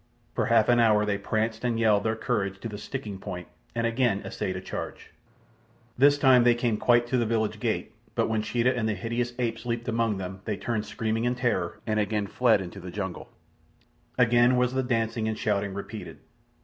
For half an hour they pranced and yelled their courage to the sticking point, and again essayed a charge. This time they came quite to the village gate, but when Sheeta and the hideous apes leaped among them they turned screaming in terror, and again fled to the jungle. Again was the dancing and shouting repeated.